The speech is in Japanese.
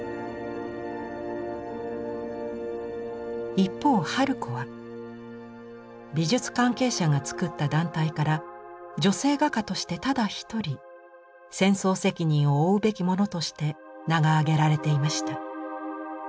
一方春子は美術関係者が作った団体から女性画家としてただ一人「戦争責任を負うべきもの」として名が挙げられていました。